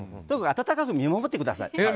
温かく見守ってください。